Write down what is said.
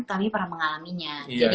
kami pernah mengalaminya jadi